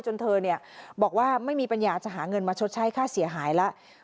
เธอบอกว่าไม่มีปัญญาจะหาเงินมาชดใช้ค่าเสียหายแล้ว